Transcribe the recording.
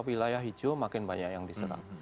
wilayah hijau makin banyak yang diserang